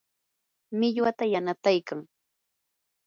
millwata yanataykan.